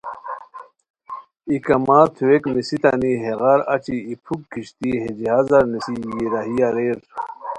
ای کما تھوویک نِسیتانی ہیغار اچی ای پُھوک کشتی ہے جہازار نِیسی یی راہی اریر